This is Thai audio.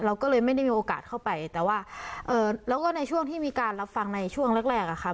เราก็เลยไม่ได้มีโอกาสเข้าไปแต่ว่าเอ่อแล้วก็ในช่วงที่มีการรับฟังในช่วงแรกแรกอะค่ะ